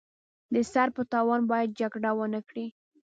د سر په تاوان باید جګړه ونکړي.